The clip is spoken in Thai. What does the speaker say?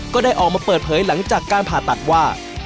ก็ได้ออกมาเปิดเผยหลังจากการผ่าตัดว่า